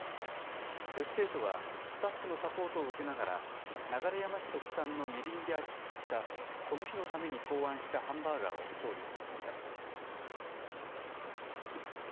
女子生徒はスタッフのサポートを受けながら流山市特産のみりんで味付けしたこの日のために考案したハンバーガーを調理していました。